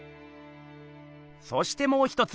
そしてもう一つ！